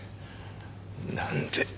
何で？